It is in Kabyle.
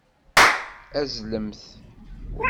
Azzlemt!